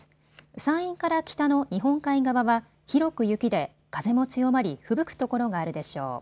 山陰から北の日本海側は広く雪で風も強まり、ふぶく所があるでしょう。